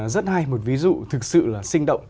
rất hay một ví dụ thực sự là sinh động